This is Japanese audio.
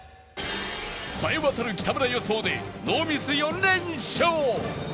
冴えわたる北村予想でノーミス４連勝！